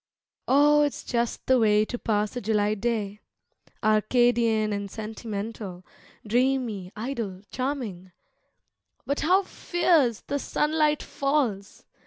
Oh, it's just the way to pass a July day, Arcadian and sentimental, dreamy, idle, charming, But how fierce the sunlight falls!